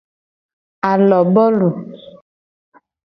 Alobolu.